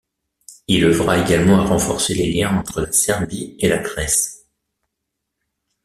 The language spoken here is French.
Il œuvra également à renforcer les liens entre la Serbie et la Grèce.